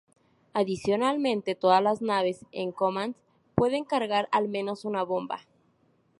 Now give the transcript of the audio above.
Adicionalmente, todas las naves en "Command" pueden cargar al menos una bomba.